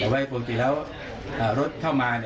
แต่ว่าอย่างปกติแล้วรถเข้ามา